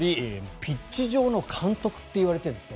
ピッチ上の監督といわれてるんですね。